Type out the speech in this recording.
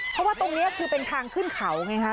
เพราะว่าตรงนี้คือเป็นทางขึ้นเขาไงฮะ